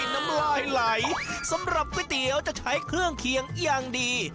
น้ำลายไหลสำหรับก๋วยเตี๋ยวจะใช้เครื่องเคียงอย่างดี